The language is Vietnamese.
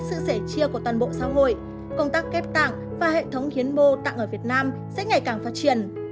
sự sẻ chia của toàn bộ xã hội công tác ghép tạng và hệ thống hiến mô tặng ở việt nam sẽ ngày càng phát triển